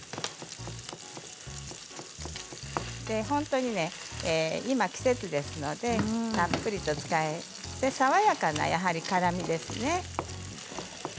本当に今季節ですのでたっぷりと使って爽やかな辛みですね。